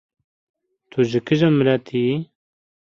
Tu ji kîjan miletî yî?